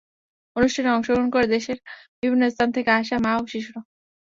অনুষ্ঠানে অংশগ্রহণ করে দেশের বিভিন্ন স্থান থেকে আসা মা ও শিশুরা।